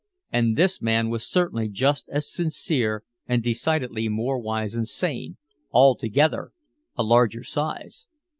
And this man was certainly just as sincere and decidedly more wise and sane, altogether a larger size.